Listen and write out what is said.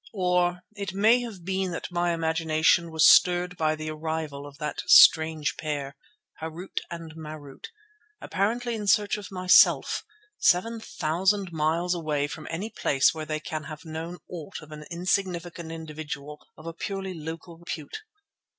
Or it may have been that my imagination was stirred by the arrival of that strange pair, Harût and Marût, apparently in search of myself, seven thousand miles away from any place where they can have known aught of an insignificant individual with a purely local repute.